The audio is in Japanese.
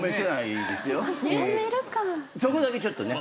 そこだけちょっとね。